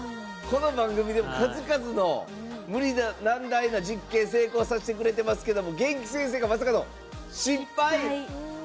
この番組で数々の無理難題な実験成功させてくれますけど元気先生が、まさかの失敗！